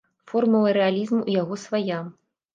Формула рэалізму ў яго свая.